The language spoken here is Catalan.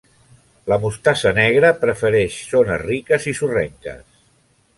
La mostassa negra prefereix zones riques i sorrenques.